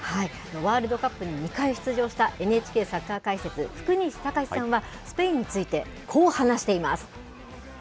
ワールドカップに２回出場したＮＨＫサッカー解説、福西崇史さんは、スペインについてこう話しています。